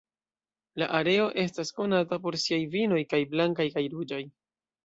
La areo estas konata por siaj vinoj, kaj blankaj kaj ruĝaj.